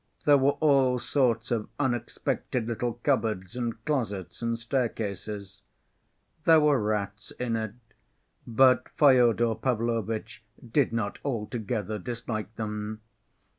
There were all sorts of unexpected little cupboards and closets and staircases. There were rats in it, but Fyodor Pavlovitch did not altogether dislike them.